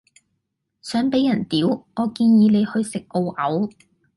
想俾人屌，我建議你去食澳牛